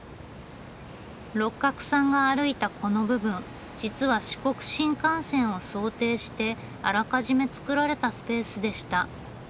六角さんが歩いたこの部分実は四国新幹線を想定してあらかじめ作られたスペースでした。